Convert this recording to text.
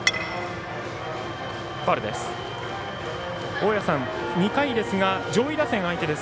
大矢さん、２回ですが上位打線相手です。